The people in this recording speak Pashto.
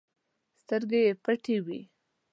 سترګې یې پټې وي.